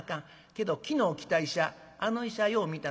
けど昨日来た医者あの医者よう診たな。